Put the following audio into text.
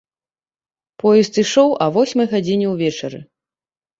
Поезд ішоў а восьмай гадзіне ўвечары.